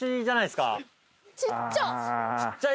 ちっちゃ。